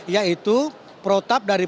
yaitu protab daripada utama